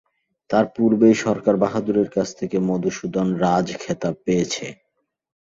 তার পূর্বেই সরকারবাহাদুরের কাছ থেকে মধুসূদন রাজখেতাব পেয়েছে।